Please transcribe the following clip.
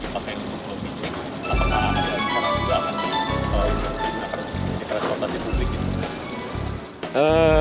bagaimana dengan perlambuan fisik apakah ada perlambuan yang akan diperlukan untuk menjaga responasi publik